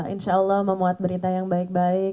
insya allah memuat berita yang baik baik